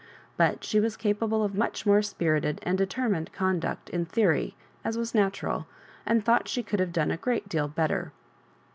But she was capable of much more spirited and determined conduct in theory, a^i was natural, and thought she could have done a g^at deal better.